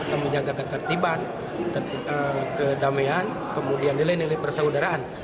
kita menjaga ketertiban kedamaian kemudian nilai nilai persaudaraan